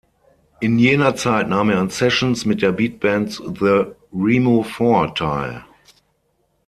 In jener Zeit nahm er an Sessions mit der Beatband The Remo Four teil.